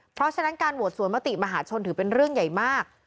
เพราะฉะนั้นการโหวตสวนมติมหาชนถือเป็นเรื่องใหญ่มาก